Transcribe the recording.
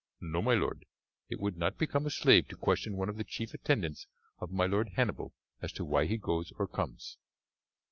"No, my lord, it would not become a slave to question one of the chief attendants of my lord Hannibal as to why he goes or comes."